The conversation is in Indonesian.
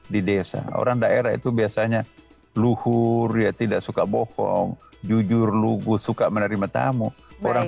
di desa orang daerah itu biasanya luhur ya tidak suka bohong jujur luguh suka menerima tamu orang